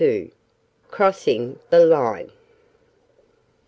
CROSSING THE LINE.